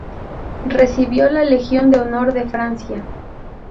Recibió la Legión de Honor de Francia.